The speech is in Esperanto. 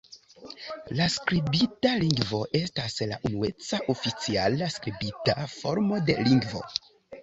La skribita lingvo estas la unueca, oficiala skribita formo de lingvo.